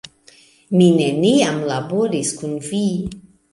Mi neniam laboris kun vi!